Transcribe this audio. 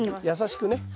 優しくね。